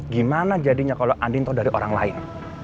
gak jadinya kalo andin tau dari orang lain